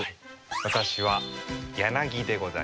私はヤナギでございます。